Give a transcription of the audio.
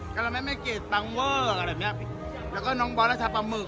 ก็เลยไม่เกรดตังเวอร์อะไรแบบเนี้ยแล้วก็น้องบอสแล้วชาปลาหมึก